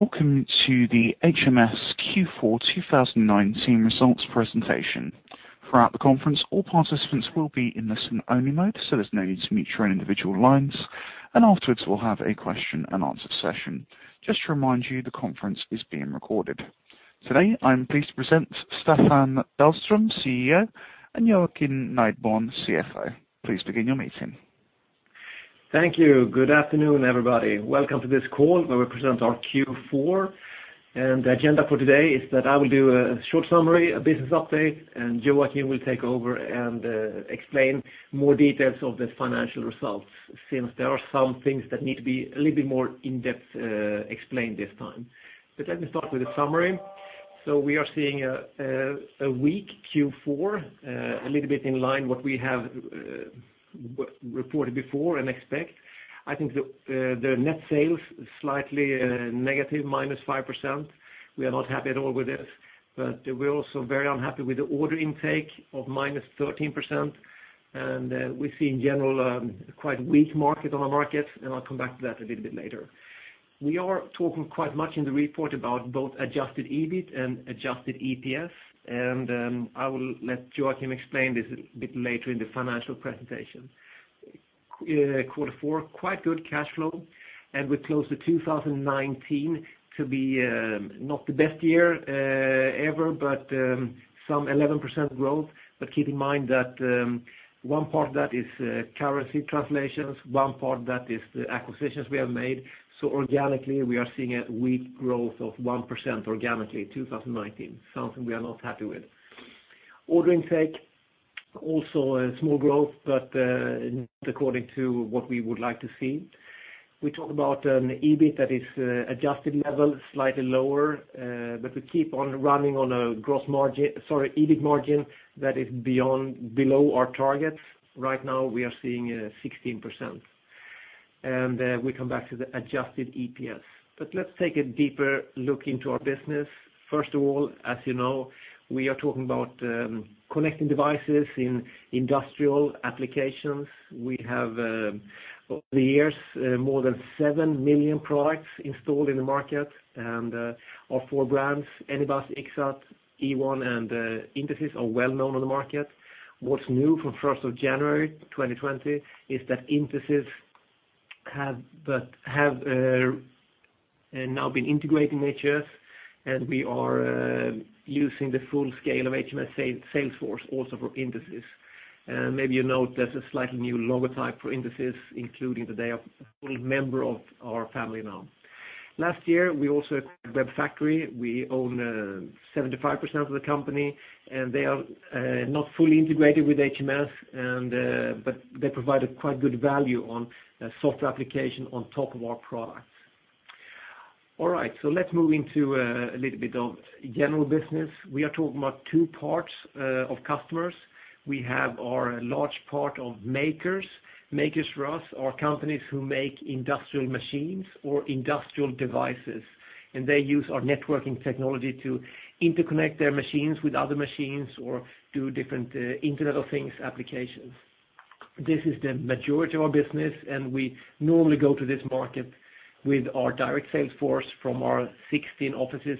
Welcome to the HMS Q4 2019 results presentation. Throughout the conference, all participants will be in listen-only mode, so there's no need to mute your own individual lines, and afterwards we'll have a question-and answer session. Just to remind you, the conference is being recorded. Today, I'm pleased to present Staffan Dahlström, CEO, and Joakim Nideborn, CFO. Please begin your meeting. Thank you. Good afternoon, everybody. Welcome to this call where we present our Q4. The agenda for today is that I will do a short summary, a business update, Joakim will take over and explain more details of the financial results, since there are some things that need to be a little bit more in-depth explained this time. Let me start with a summary. We are seeing a weak Q4, a little bit in line what we have reported before and expect. I think the net sales slightly negative, minus 5%. We are not happy at all with this, but we're also very unhappy with the order intake of minus 13%. We see in general, quite weak market on our market, and I'll come back to that a little bit later. We are talking quite much in the report about both adjusted EBIT and adjusted EPS. I will let Joakim explain this a bit later in the financial presentation. Q4, quite good cash flow. We close to 2019 to be not the best year ever, some 11% growth. Keep in mind that one part of that is currency translations, one part of that is the acquisitions we have made. Organically, we are seeing a weak growth of 1%, organically 2019, something we are not happy with. Order intake, also a small growth, not according to what we would like to see. We talk about an EBIT that is adjusted level, slightly lower. We keep on running on a gross margin, sorry, EBIT margin that is below our targets. Right now, we are seeing 16%. We come back to the adjusted EPS. Let's take a deeper look into our business. First of all, as you know, we are talking about connecting devices in industrial applications. We have over the years, more than 7 million products installed in the market and our four brands, Anybus, Ixxat, Ewon and Intesis are well-known on the market. What's new from 1st of January 2020 is that Intesis have now been integrated in HMS and we are using the full scale of HMS sales force also for Intesis. Maybe you note there's a slightly new logo type for Intesis, including today a full member of our family now. Last year, we also acquired WEBfactory. We own 75% of the company, and they are not fully integrated with HMS, but they provide a quite good value on software application on top of our products. All right, let's move into a little bit of general business. We are talking about two parts of customers. We have our large part of makers. Makers for us are companies who make industrial machines or industrial devices, and they use our networking technology to interconnect their machines with other machines or do different Internet of Things applications. This is the majority of our business, and we normally go to this market with our direct sales force from our 16 offices,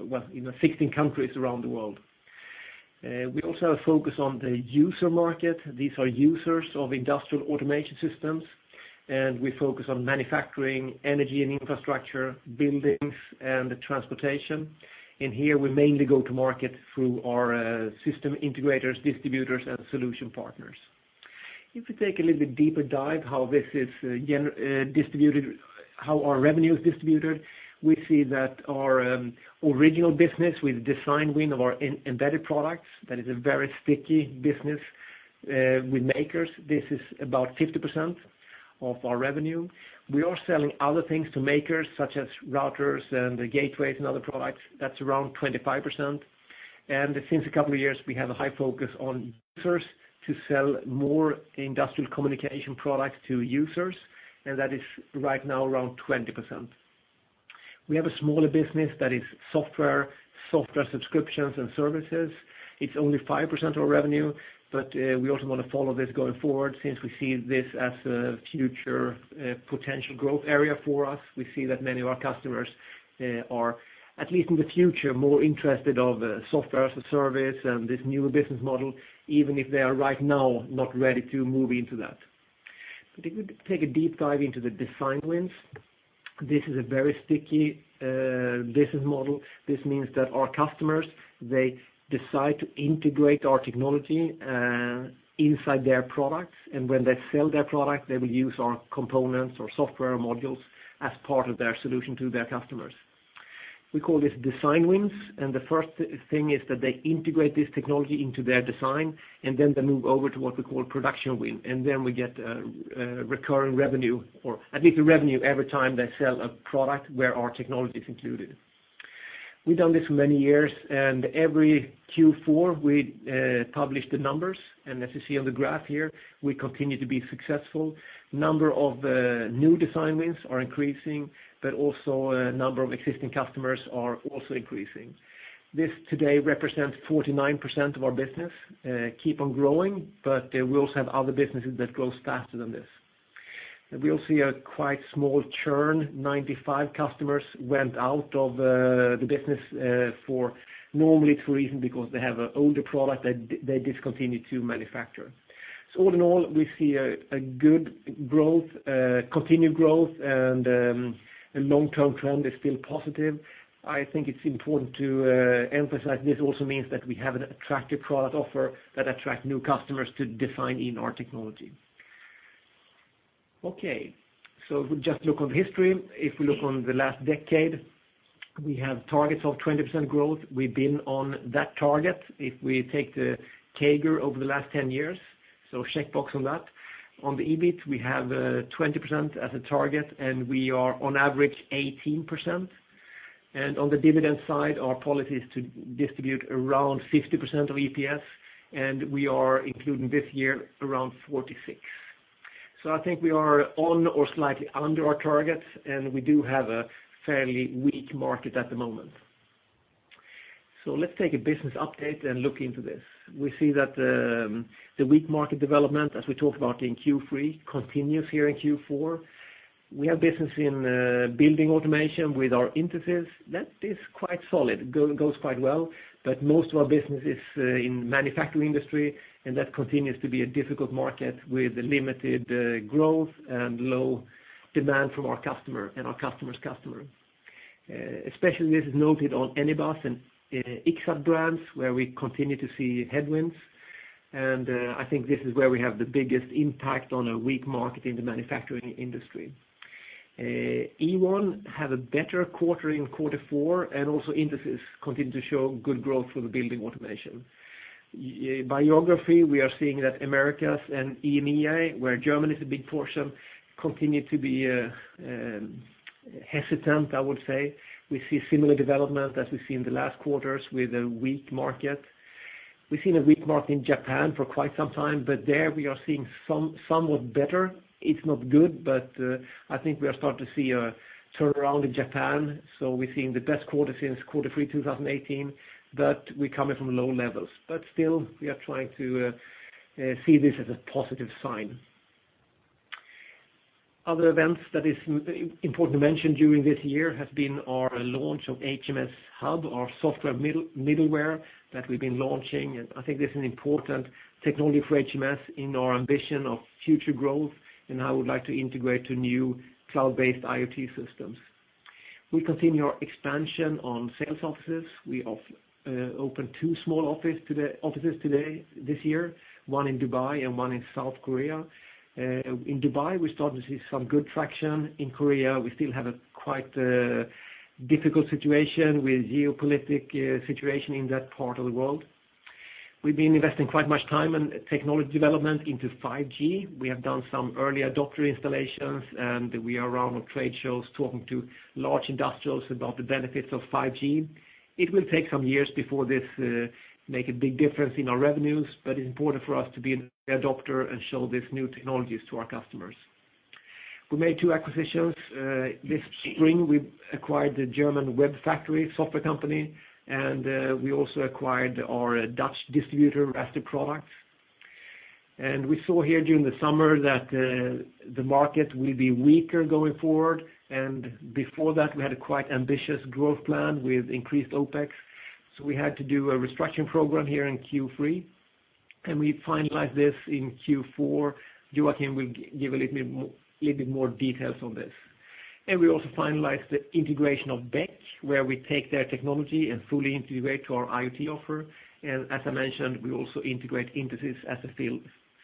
well, in 16 countries around the world. We also have a focus on the user market. These are users of industrial automation systems. We focus on manufacturing, energy and infrastructure, buildings and transportation. Here we mainly go to market through our system integrators, distributors, and solution partners. If you take a little bit deeper dive how our revenue is distributed, we see that our original business with design win of our embedded products, that is a very sticky business with makers. This is about 50% of our revenue. We are selling other things to makers such as routers and gateways and other products. That's around 25%. Since a couple of years, we have a high focus on users to sell more industrial communication products to users, and that is right now around 20%. We have a smaller business that is software subscriptions and services. It's only 5% of revenue, but we also want to follow this going forward since we see this as a future potential growth area for us. We see that many of our customers are, at least in the future, more interested of software as a service and this newer business model, even if they are right now not ready to move into that. If we take a deep dive into the design wins, this is a very sticky business model. This means that our customers, they decide to integrate our technology inside their products, and when they sell their product, they will use our components or software modules as part of their solution to their customers. We call this design wins, and the first thing is that they integrate this technology into their design, and then they move over to what we call production win. Then we get a recurring revenue, or at least a revenue every time they sell a product where our technology is included. We've done this for many years. Every Q4, we publish the numbers. As you see on the graph here, we continue to be successful. Number of new design wins are increasing, but also a number of existing customers are also increasing. This today represents 49% of our business, keep on growing, but we also have other businesses that grows faster than this. We also see a quite small churn, 95 customers went out of the business, normally it's for reason because they have an older product that they discontinue to manufacture. All in all, we see a good continued growth and the long-term trend is still positive. I think it's important to emphasize this also means that we have an attractive product offer that attract new customers to define in our technology. Okay, if we just look on history, if we look on the last decade, we have targets of 20% growth. We've been on that target. If we take the CAGR over the last 10 years, checkbox on that. On the EBIT, we have 20% as a target, we are on average 18%. On the dividend side, our policy is to distribute around 50% of EPS, we are including this year around 46%. I think we are on or slightly under our targets, we do have a fairly weak market at the moment. Let's take a business update and look into this. We see that the weak market development, as we talked about in Q3, continues here in Q4. We have business in building automation with our Intesis. That is quite solid, goes quite well, but most of our business is in manufacturing industry, and that continues to be a difficult market with limited growth and low demand from our customer and our customer's customer. Especially this is noted on Anybus and Ixxat brands where we continue to see headwinds, and I think this is where we have the biggest impact on a weak market in the manufacturing industry. Ewon have a better quarter in quarter four and also Intesis continue to show good growth for the building automation. By geography, we are seeing that Americas and EMEA, where Germany is a big portion, continue to be hesitant, I would say. We see similar development as we see in the last quarters with a weak market. We've seen a weak market in Japan for quite some time, but there we are seeing somewhat better. It's not good. I think we are starting to see a turnaround in Japan. We're seeing the best quarter since quarter three 2018, but we coming from low levels. Still, we are trying to see this as a positive sign. Other events that is important to mention during this year has been our launch of HMS Hub, our software middleware that we've been launching. I think this is an important technology for HMS in our ambition of future growth, and I would like to integrate to new cloud-based IoT systems. We continue our expansion on sales offices. We opened two small offices this year, one in Dubai and one in South Korea. In Dubai, we're starting to see some good traction. In Korea, we still have a quite difficult situation with geopolitical situation in that part of the world. We've been investing quite much time and technology development into 5G. We have done some early adopter installations, and we are around on trade shows talking to large industrials about the benefits of 5G. It will take some years before this make a big difference in our revenues, but it's important for us to be an early adopter and show these new technologies to our customers. We made two acquisitions. This spring we acquired the German WEBfactory software company, and we also acquired our Dutch distributor, Raster Products. We saw here during the summer that the market will be weaker going forward, and before that, we had a quite ambitious growth plan with increased OpEx. We had to do a restructuring program here in Q3, and we finalized this in Q4. Joakim will give a little bit more details on this. We also finalized the integration of Beck where we take their technology and fully integrate to our IoT offer. As I mentioned, we also integrate Intesis as a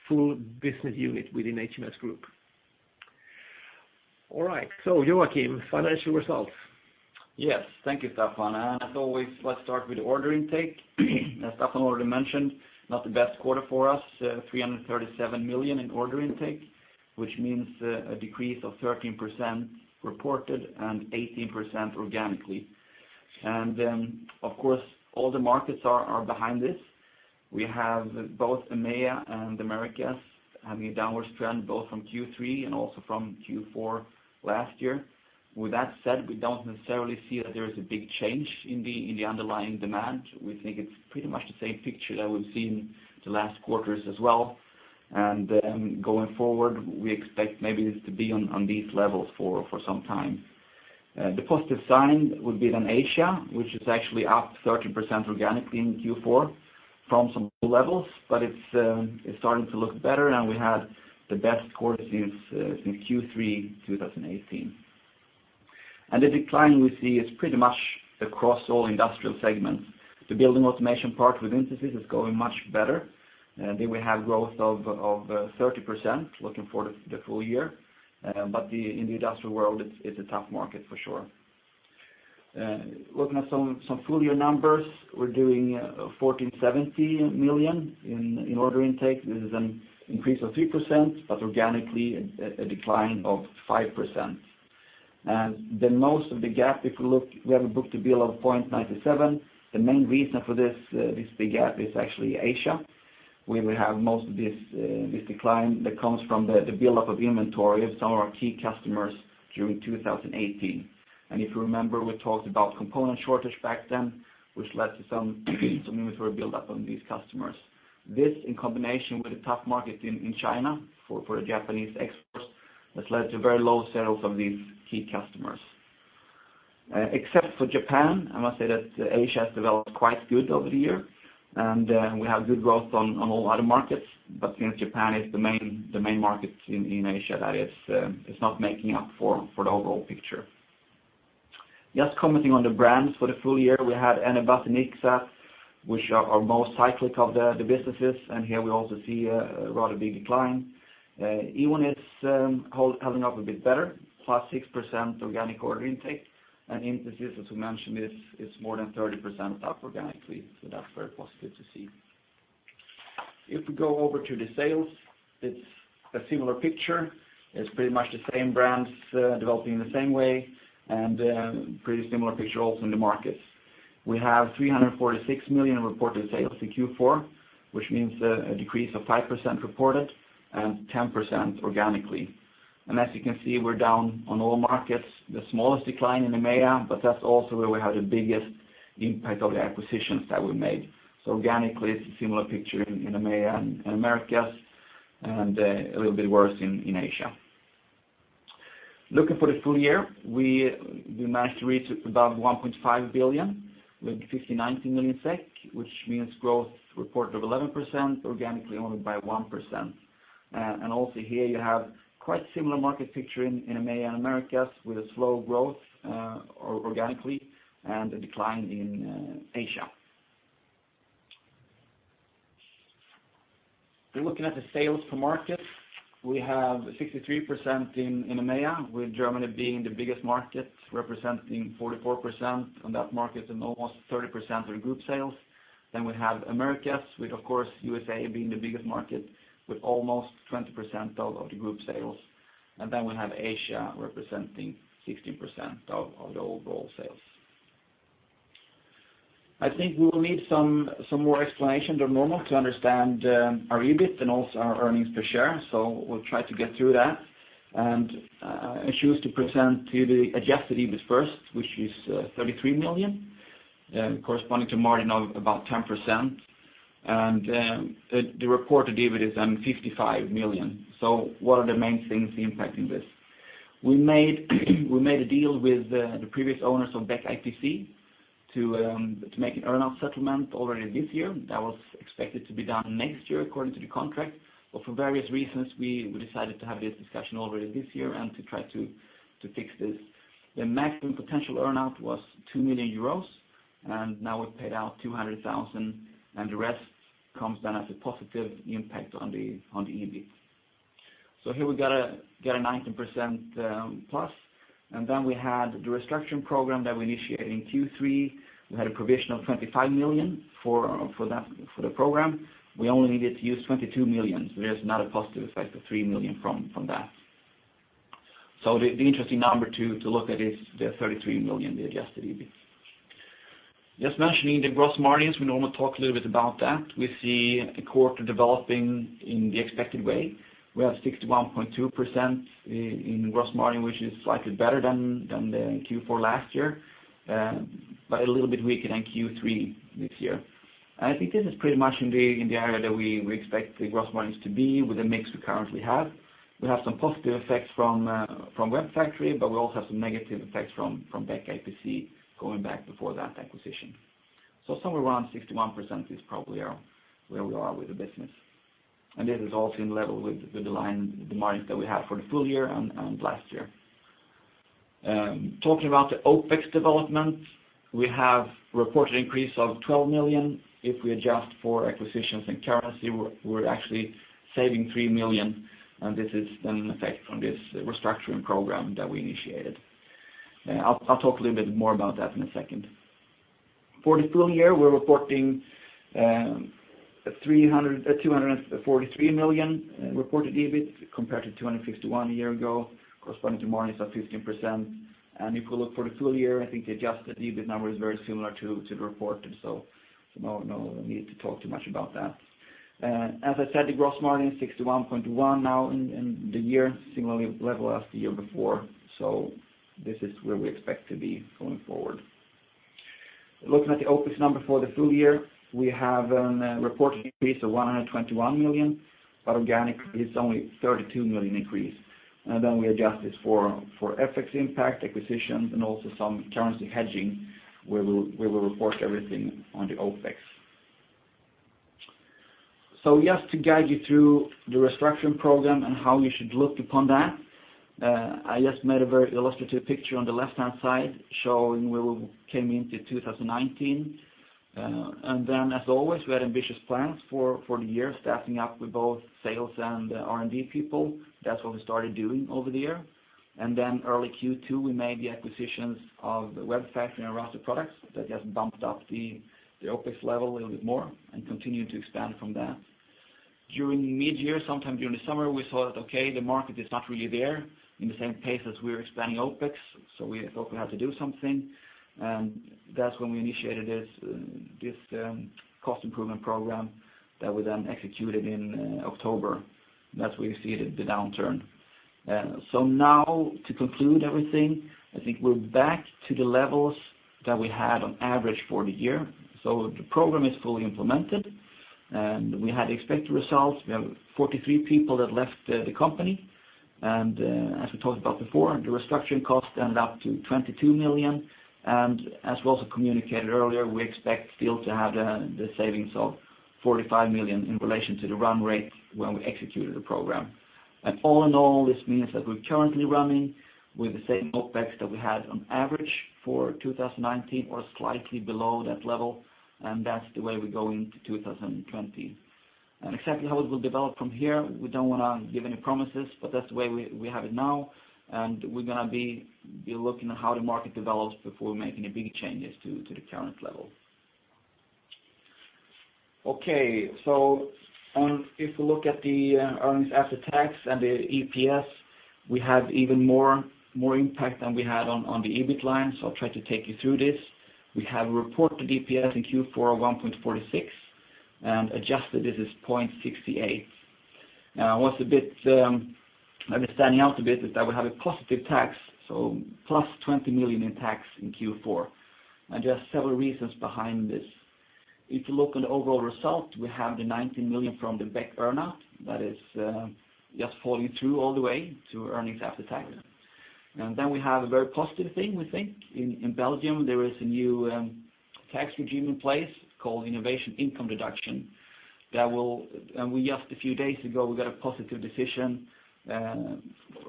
full business unit within HMS group. All right, Joakim, financial results. Yes. Thank you, Staffan. As always, let's start with order intake. As Staffan already mentioned, not the best quarter for us. 337 million in order intake, which means a decrease of 13% reported and 18% organically. Of course, all the markets are behind this. We have both EMEA and Americas having a downwards trend, both from Q3 and also from Q4 last year. With that said, we don't necessarily see that there is a big change in the underlying demand. We think it's pretty much the same picture that we've seen the last quarters as well. Going forward, we expect maybe this to be on these levels for some time. The positive sign would be then Asia, which is actually up 30% organically in Q4 from some low levels, but it's starting to look better, and we had the best quarter since Q3 2018. The decline we see is pretty much across all industrial segments. The building automation part with Intesis is going much better. There we have growth of 30% looking for the full year. In the industrial world, it's a tough market for sure. Looking at some full-year numbers, we're doing 1,470 million in order intake. This is an increase of 3%, but organically a decline of 5%. Most of the gap, if you look, we have a book-to-bill of 0.97x. The main reason for this big gap is actually Asia, where we have most of this decline that comes from the buildup of inventory of some of our key customers during 2018. If you remember, we talked about component shortage back then, which led to some inventory buildup on these customers. This, in combination with a tough market in China for the Japanese exports, has led to very low sales of these key customers. Except for Japan, I must say that Asia has developed quite good over the year, and we have good growth on a lot of markets. Since Japan is the main market in Asia, it's not making up for the overall picture. Just commenting on the brands for the full year, we had Anybus and Ixxat, which are our most cyclic of the businesses, and here we also see a rather big decline. Ewon is holding up a bit better, +6% organic order intake. Intesis, as we mentioned, is more than 30% up organically, so that's very positive to see. If we go over to the sales, it's a similar picture. It's pretty much the same brands developing in the same way and pretty similar picture also in the markets. We have 346 million in reported sales in Q4, which means a decrease of 5% reported and 10% organically. As you can see, we're down on all markets. The smallest decline in EMEA, that's also where we have the biggest impact of the acquisitions that we made. Organically, it's a similar picture in EMEA and Americas, a little bit worse in Asia. Looking for the full year, we managed to reach above 1.5 billion with 59 million SEK, which means growth reported of 11%, organically only by 1%. Also here you have quite similar market picture in EMEA and Americas with a slow growth organically and a decline in Asia. If we're looking at the sales per market, we have 63% in EMEA, with Germany being the biggest market, representing 44% on that market and almost 30% of the group sales. We have Americas with, of course, USA being the biggest market with almost 20% of the group sales. We have Asia representing 16% of the overall sales. I think we will need some more explanation than normal to understand our EBIT and also our earnings per share, so we'll try to get through that. I choose to present to the adjusted EBIT first, which is 33 million, corresponding to margin of about 10%. The reported EBIT is 55 million. What are the main things impacting this? We made a deal with the previous owners of Beck IPC to make an earn-out settlement already this year. That was expected to be done next year according to the contract. For various reasons, we decided to have this discussion already this year and to try to fix this. The maximum potential earn-out was 2 million euros, now we've paid out 200,000, the rest comes then as a positive impact on the EBIT. Here we got a 19%+, we had the restructuring program that we initiated in Q3. We had a provision of 25 million for the program. We only needed to use 22 million, there's now a positive effect of 3 million from that. The interesting number to look at is the 33 million, the adjusted EBIT. Just mentioning the gross margins, we normally talk a little bit about that. We see the quarter developing in the expected way. We have 61.2% in gross margin, which is slightly better than the Q4 last year, but a little bit weaker than Q3 this year. I think this is pretty much in the area that we expect the gross margins to be with the mix we currently have. We have some positive effects from WEBfactory, but we also have some negative effects from Beck IPC going back before that acquisition. Somewhere around 61% is probably where we are with the business. This is also in level with the line, the margin that we had for the full year and last year. Talking about the OpEx development, we have reported increase of 12 million. If we adjust for acquisitions and currency, we're actually saving 3 million, and this is an effect from this restructuring program that we initiated. I'll talk a little bit more about that in a second. For the full year, we're reporting 243 million reported EBIT compared to 251 a year ago, corresponding to margins of 15%. If we look for the full year, I think the adjusted EBIT number is very similar to the reported, no need to talk too much about that. As I said, the gross margin 61.1% now in the year, similarly level as the year before. This is where we expect to be going forward. Looking at the OpEx number for the full year, we have a reported increase of 121 million, but organic is only 32 million increase. We adjust this for FX impact, acquisitions, and also some currency hedging, where we will report everything on the OpEx. Just to guide you through the restructuring program and how you should look upon that, I just made a very illustrative picture on the left-hand side showing where we came into 2019. As always, we had ambitious plans for the year, staffing up with both sales and R&D people. That's what we started doing over the year. Early Q2, we made the acquisitions of WEBfactory and Raster Products. That just bumped up the OpEx level a little bit more and continued to expand from there. During mid-year, sometime during the summer, we thought, okay, the market is not really there in the same pace as we were expanding OpEx, so we thought we had to do something. That's when we initiated this cost improvement program that we then executed in October. That's where you see the downturn. Now to conclude everything, I think we're back to the levels that we had on average for the year. The program is fully implemented, and we had expected results. We have 43 people that left the company. As we talked about before, the restructuring cost ended up to 22 million. As we also communicated earlier, we expect still to have the savings of 45 million in relation to the run rate when we executed the program. All in all, this means that we're currently running with the same OpEx that we had on average for 2019 or slightly below that level, and that's the way we go into 2020. Exactly how it will develop from here, we don't want to give any promises, but that's the way we have it now, and we're going to be looking at how the market develops before making any big changes to the current level. Okay. If you look at the earnings after tax and the EPS, we have even more impact than we had on the EBIT line. I'll try to take you through this. We have a report to DPS in Q4 of 1.46, and adjusted, this is 0.68. What's standing out a bit is that we have a positive tax, +20 million in tax in Q4, and just several reasons behind this. If you look on the overall result, we have the 19 million from the Beck earn-out that is just following through all the way to earnings after tax. We have a very positive thing, we think. In Belgium, there is a new tax regime in place called innovation income deduction, we just a few days ago, we got a positive decision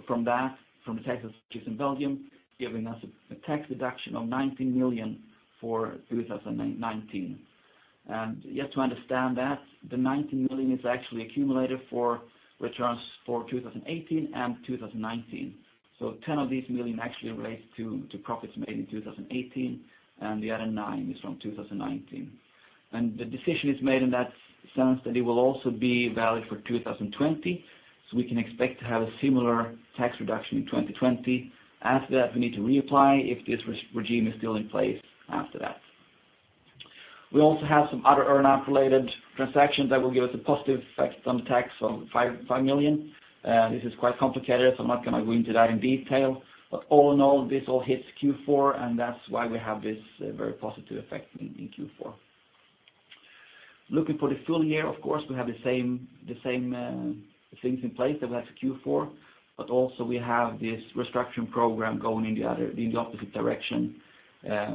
from that, from the tax authorities in Belgium, giving us a tax deduction of 19 million for 2019. You have to understand that the 19 million is actually accumulated for returns for 2018 and 2019. 10 of these million actually relates to profits made in 2018, and the other nine is from 2019. The decision is made in that sense that it will also be valid for 2020. We can expect to have a similar tax reduction in 2020. After that, we need to reapply if this regime is still in place after that. We also have some other earn-out related transactions that will give us a positive effect on tax of 5 million. This is quite complicated, I'm not going to go into that in detail. All in all, this all hits Q4, and that's why we have this very positive effect in Q4. Looking for the full year, of course, we have the same things in place that we had for Q4, but also we have this restructuring program going in the opposite direction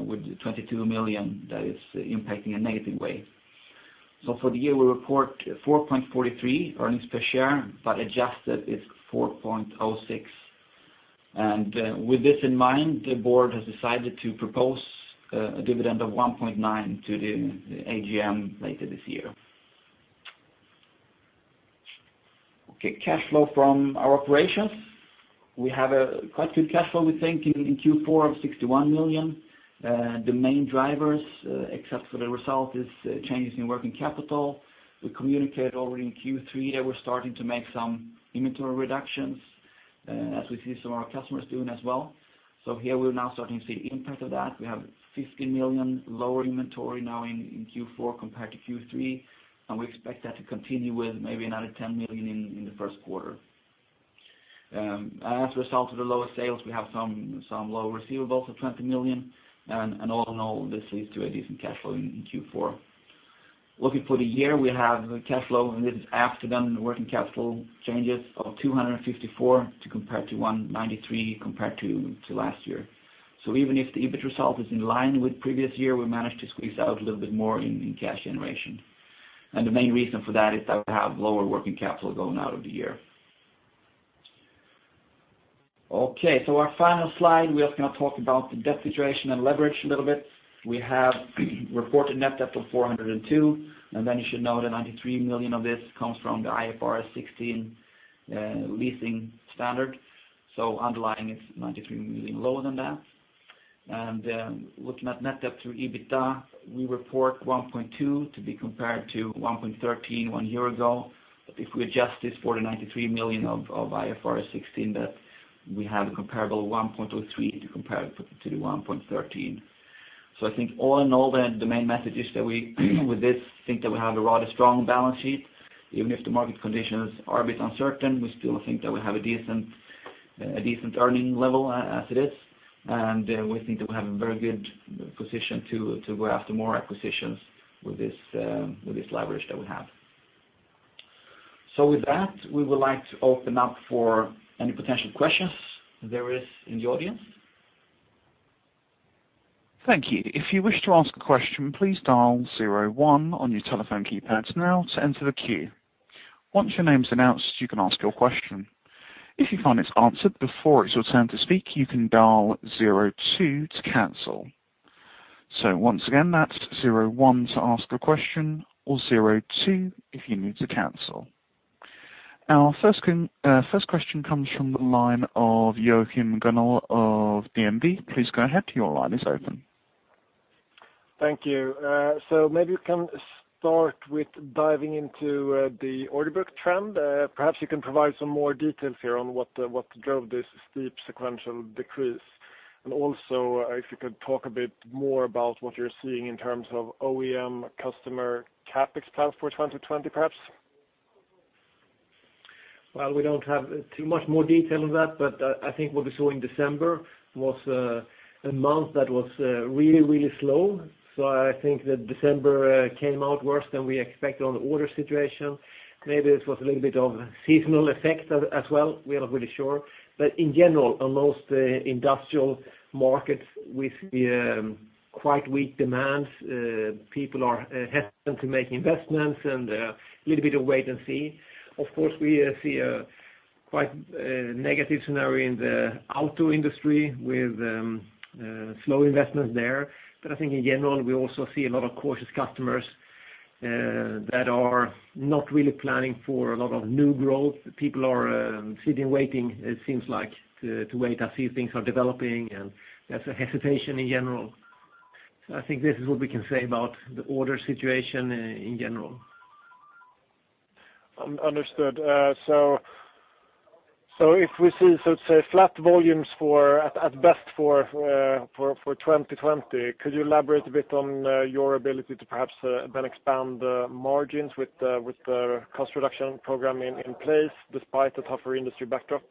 with the 22 million that is impacting a negative way. For the year, we report 4.43 earnings per share, but adjusted, it's 4.06. With this in mind, the board has decided to propose a dividend of 1.9 to the AGM later this year. Okay, cash flow from our operations. We have a quite good cash flow, we think, in Q4 of 61 million. The main drivers, except for the result, is changes in working capital. We communicated already in Q3 that we're starting to make some inventory reductions as we see some of our customers doing as well. Here we're now starting to see the impact of that. We have 50 million lower inventory now in Q4 compared to Q3, and we expect that to continue with maybe another 10 million in the first quarter. As a result of the lower sales, we have some lower receivables of 20 million. All in all, this leads to a decent cash flow in Q4. Looking for the year, we have the cash flow, and this is after then the working capital changes of 254 compared to 193 compared to last year. Even if the EBIT result is in line with previous year, we managed to squeeze out a little bit more in cash generation. The main reason for that is that we have lower working capital going out of the year. Our final slide, we're just going to talk about the debt situation and leverage a little bit. We have reported net debt of 402, you should know that 93 million of this comes from the IFRS 16 leasing standard. Underlying, it's 93 million lower than that. Looking at net debt through EBITDA, we report 1.2x to be compared to 1.13x one year ago. If we adjust this for the 93 million of IFRS 16 debt, we have a comparable 1.03x to compare it to the 1.13x. I think all in all, the main message is that we, with this, think that we have a rather strong balance sheet. Even if the market conditions are a bit uncertain, we still think that we have a decent earning level as it is. We think that we have a very good position to go after more acquisitions with this leverage that we have. With that, we would like to open up for any potential questions there is in the audience. Thank you. If you wish to ask a question, please dial zero one on your telephone keypad now to enter the queue. Once your name's announced, you can ask your question. If you find it's answered before it's your turn to speak, you can dial zero two to cancel. Once again, that's zero one to ask a question or zero two if you need to cancel. Our first question comes from the line of Joachim Gunell of DNB. Please go ahead. Your line is open. Thank you. Maybe you can start with diving into the order-book trend. Perhaps you can provide some more details here on what drove this steep sequential decrease. Also, if you could talk a bit more about what you're seeing in terms of OEM customer CapEx plans for 2020, perhaps? Well, we don't have too much more detail on that, I think what we saw in December was a month that was really slow. I think that December came out worse than we expected on the order situation. Maybe this was a little bit of seasonal effect as well. We are not really sure. In general, on most industrial markets with quite weak demands, people are hesitant to make investments and a little bit of wait and see. Of course, we see a quite negative scenario in the auto industry with slow investments there. I think in general, we also see a lot of cautious customers that are not really planning for a lot of new growth. People are sitting, waiting, it seems like, to wait and see things are developing, and there's a hesitation in general. I think this is what we can say about the order situation in general. Understood. If we see, let's say, flat volumes at best for 2020, could you elaborate a bit on your ability to perhaps then expand margins with the cost reduction program in place despite the tougher industry backdrop?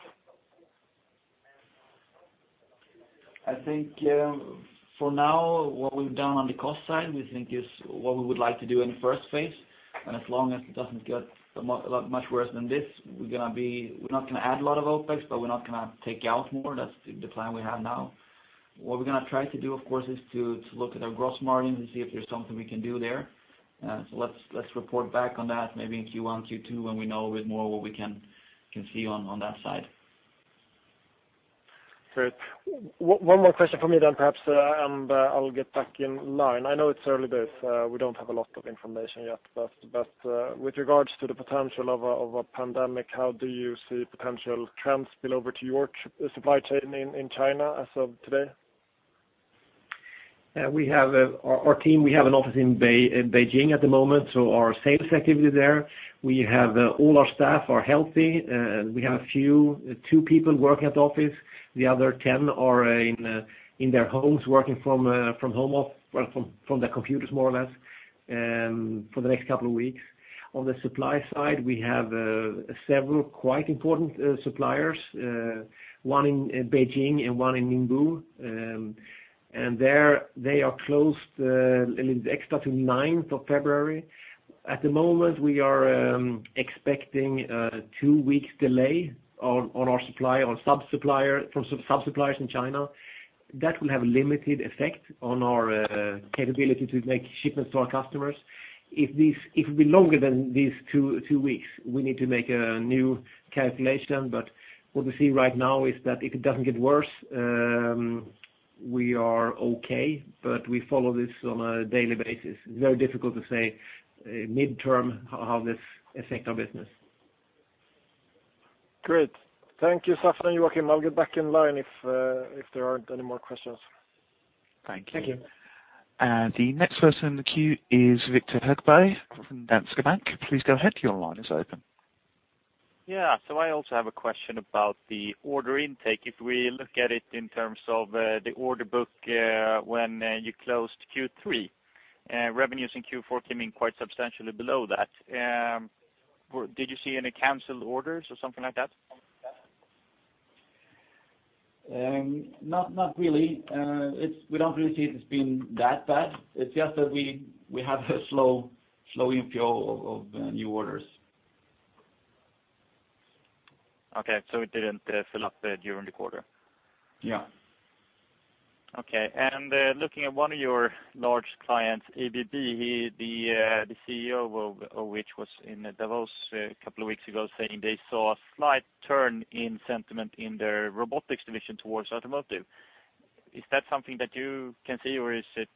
I think for now what we've done on the cost side, we think is what we would like to do in the first phase. As long as it doesn't get much worse than this, we're not going to add a lot of OpEx, but we're not going to take out more. That's the plan we have now. What we're going to try to do, of course, is to look at our gross margins and see if there's something we can do there. Let's report back on that maybe in Q1, Q2, when we know a bit more what we can see on that side. Great. One more question from me then perhaps, and I'll get back in line. I know it's early days. We don't have a lot of information yet, but with regards to the potential of a pandemic, how do you see potential trends spill over to your supply chain in China as of today? Our team, we have an office in Beijing at the moment, so our sales activity there. We have all our staff are healthy. We have two people working at the office. The other 10 are in their homes, working from their computers, more or less, for the next couple of weeks. On the supply side, we have several quite important suppliers, one in Beijing and one in Ningbo, and they are closed at least extra to 9th of February. At the moment, we are expecting a two weeks delay on our supply from sub-suppliers in China. That will have a limited effect on our capability to make shipments to our customers. If it be longer than these two weeks, we need to make a new calculation. What we see right now is that if it doesn't get worse, we are okay, but we follow this on a daily basis. It's very difficult to say midterm how this affect our business. Great. Thank you, Staffan and Joakim. I'll get back in line if there aren't any more questions. Thank you. Thank you. The next person in the queue is Viktor Högberg from Danske Bank. Please go ahead. Your line is open. Yeah. I also have a question about the order intake. If we look at it in terms of the order book when you closed Q3, revenues in Q4 came in quite substantially below that. Did you see any canceled orders or something like that? Not really. We don't really see it as being that bad. It's just that we have a slow inflow of new orders. Okay. It didn't fill up during the quarter? Yeah. Okay. Looking at one of your large clients, ABB, the CEO of which was in Davos a couple of weeks ago saying they saw a slight turn in sentiment in their robotics division towards automotive. Is that something that you can see, or is it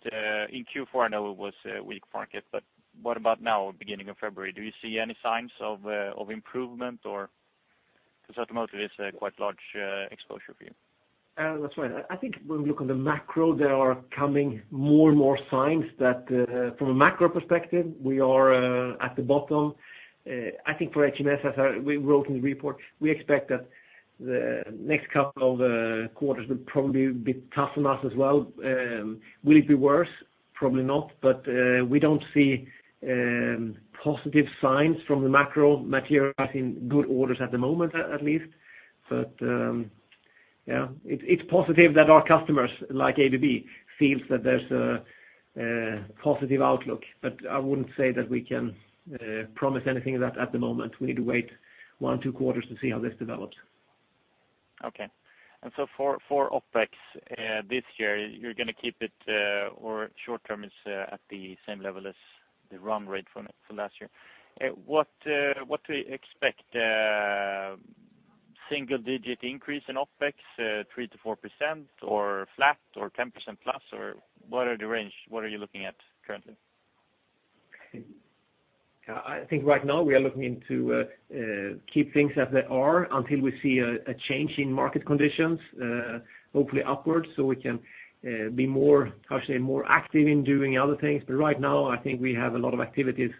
in Q4? I know it was a weak market, but what about now, beginning of February? Do you see any signs of improvement, or because automotive is a quite large exposure for you? That's right. I think when we look on the macro, there are coming more and more signs that from a macro perspective, we are at the bottom. I think for HMS, as we wrote in the report, we expect that the next couple of quarters will probably be tough on us as well. Will it be worse? Probably not, but we don't see positive signs from the macro materializing good orders at the moment, at least. But yeah, it's positive that our customers, like ABB, feels that there's a positive outlook, but I wouldn't say that we can promise anything of that at the moment. We need to wait one, two quarters to see how this develops. Okay. For OpEx this year, you're going to keep it, or short term, it's at the same level as the run rate for last year. What to expect, single-digit increase in OpEx, 3%-4%, or flat or 10%+, or what are the range? What are you looking at currently? I think right now we are looking into keep things as they are until we see a change in market conditions, hopefully upwards, so we can be more, how should I say, more active in doing other things. Right now, I think we have a lot of activities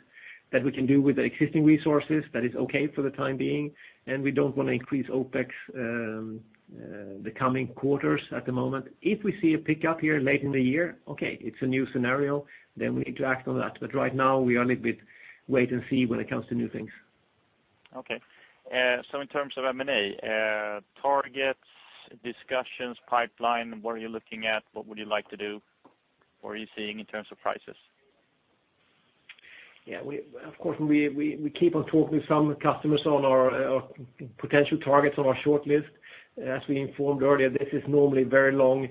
that we can do with the existing resources that is okay for the time being, and we don't want to increase OpEx the coming quarters at the moment. If we see a pickup here late in the year, okay, it's a new scenario, then we need to act on that. Right now, we are a little bit wait and see when it comes to new things. Okay. In terms of M&A, targets, discussions, pipeline, what are you looking at? What would you like to do? What are you seeing in terms of prices? Yeah. Of course, we keep on talking to some customers on our potential targets on our short list. As we informed earlier, this is normally very long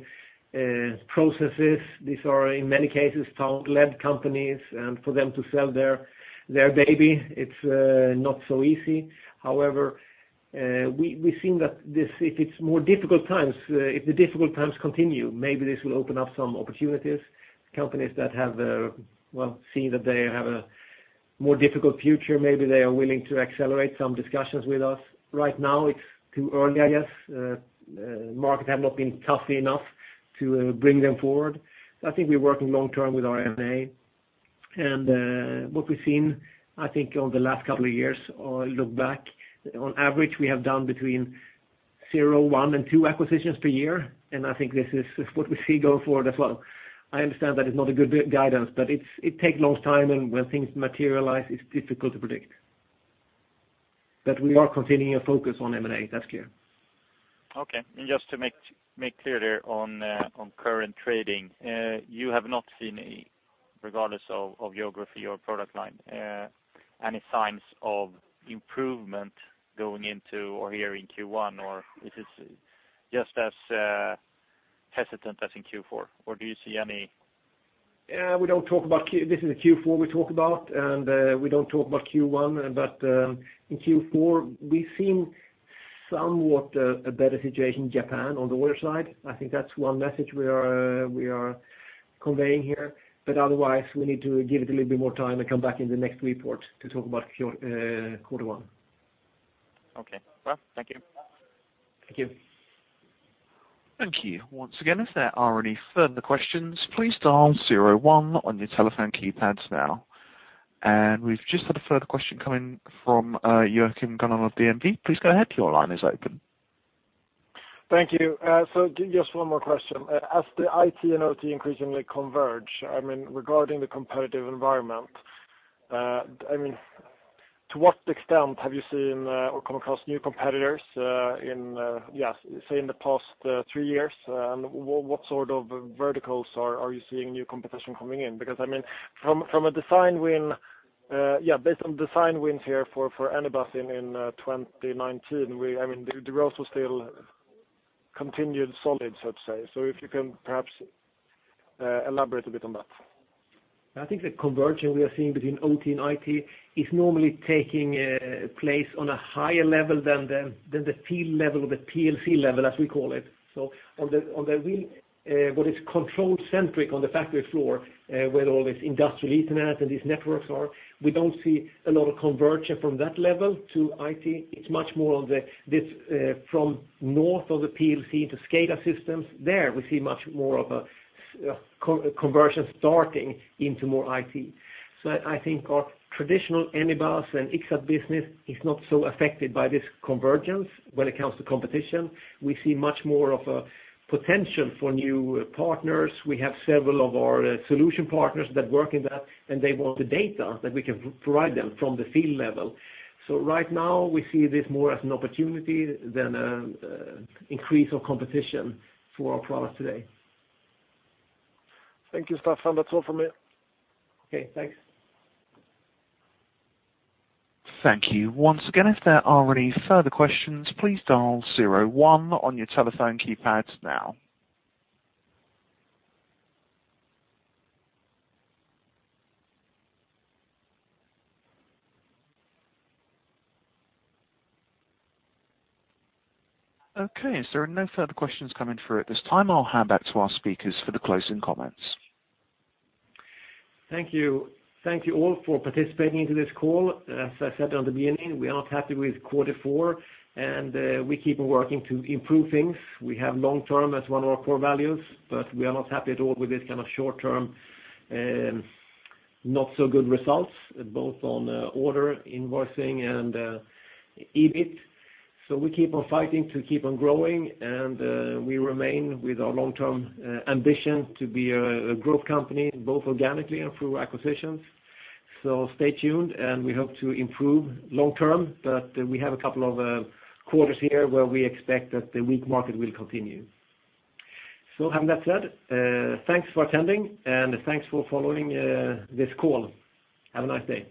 processes. These are, in many cases, talent-led companies, and for them to sell their baby, it's not so easy. However, we've seen that if it's more difficult times, if the difficult times continue, maybe this will open up some opportunities. Companies that have, well, seen that they have a more difficult future, maybe they are willing to accelerate some discussions with us. Right now it's too early, I guess. Market have not been tough enough to bring them forward. I think we're working long-term with our M&A. What we've seen, I think, over the last couple of years or look back, on average, we have done between zero, one, and two acquisitions per year, and I think this is what we see going forward as well. I understand that it's not a good guidance, but it take long time, and when things materialize, it's difficult to predict. We are continuing a focus on M&A, that's clear. Okay. Just to make clear there on current trading, you have not seen, regardless of geography or product line, any signs of improvement going into or here in Q1, or is this just as hesitant as in Q4? Do you see any? This is the Q4 we talk about, and we don't talk about Q1, but in Q4, we've seen somewhat a better situation in Japan on the order side. I think that's one message we are conveying here. Otherwise, we need to give it a little bit more time and come back in the next report to talk about quarter one. Okay. Well, thank you. Thank you. Thank you. Once again, if there are any further questions, please dial zero one on your telephone keypads now. We've just had a further question come in from Joachim Gunell of DNB. Please go ahead. Your line is open. Thank you. Just one more question. As the IT and OT increasingly converge, regarding the competitive environment, to what extent have you seen or come across new competitors in, say, the past three years? What sort of verticals are you seeing new competition coming in? Because from a design win, based on design wins here for Anybus in 2019, the growth was still continued solid, so to say. If you can perhaps elaborate a bit on that. I think the conversion we are seeing between OT and IT is normally taking place on a higher level than the field level, the PLC level, as we call it. On what is controlled centric on the factory floor, where all this Industrial Internet and these networks are, we don't see a lot of conversion from that level to IT. It's much more on this from north of the PLC to SCADA systems. There we see much more of a conversion starting into more IT. I think our traditional Anybus and Ixxat business is not so affected by this convergence when it comes to competition. We see much more of a potential for new partners. We have several of our solution partners that work in that, and they want the data that we can provide them from the field level. Right now we see this more as an opportunity than an increase of competition for our products today. Thank you, Staffan. That's all from me. Okay, thanks. Thank you. Once again, if there are any further questions, please dial zero one on your telephone keypads now. Okay. There are no further questions coming through at this time, I'll hand back to our speakers for the closing comments. Thank you. Thank you all for participating into this call. As I said on the beginning, we are not happy with quarter four. We keep on working to improve things. We have long-term as one of our core values. We are not happy at all with this kind of short-term, not so good results, both on order invoicing and EBIT. We keep on fighting to keep on growing. We remain with our long-term ambition to be a growth company, both organically and through acquisitions. Stay tuned. We hope to improve long-term. We have a couple of quarters here where we expect that the weak market will continue. Having that said, thanks for attending. Thanks for following this call. Have a nice day.